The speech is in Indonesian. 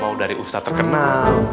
mau dari ustadz terkenal